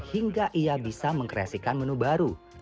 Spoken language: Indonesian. hingga ia bisa mengkreasikan menu baru